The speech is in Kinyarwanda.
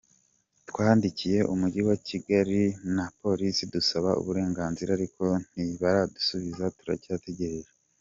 Twandikiye Umujyi wa Kigali na Polisi dusaba uburenganzira ariko ntibaradusubiza turacyategereje.